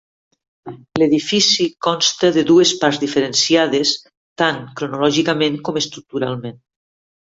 L'edifici consta de dues parts diferenciades tant cronològicament com estructuralment.